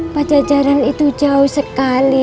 pajajaran itu jauh sekali